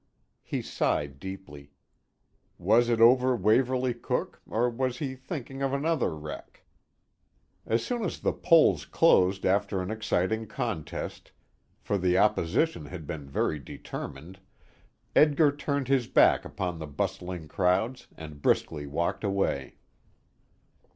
He sighed deeply. Was it over Waverley Cooke, or was he thinking of another wreck? As soon as the polls closed after an exciting contest for the opposition had been very determined Edgar turned his back upon the bustling crowds, and briskly walked away.